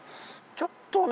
ちょっとね